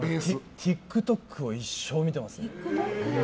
ＴｉｋＴｏｋを一生見てますね。